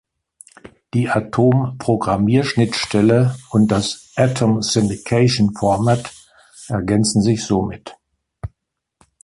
Die Atom-Programmierschnittstelle und das Atom Syndication Format ergänzen sich somit.